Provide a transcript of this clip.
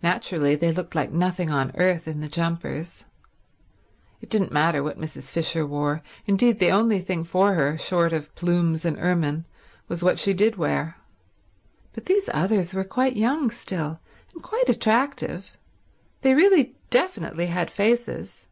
Naturally they looked like nothing on earth in the jumpers. It didn't matter what Mrs. Fisher wore; indeed, the only thing for her, short of plumes and ermine, was what she did wear. But these others were quite young still, and quite attractive. They really definitely had faces.